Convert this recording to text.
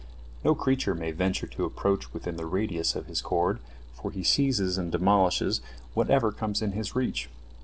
No creature may venture to approach within the radius of his cord, for he seizes and demolishes whatever comes in his reach.